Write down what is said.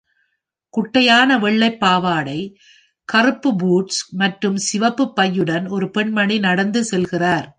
குட்டையான, வெள்ளைப் பாவாடை, கருப்பு பூட்ஸ் மற்றும் சிவப்பு பையுடன் ஒரு பெண்மணி நடந்து செல்கிறார்.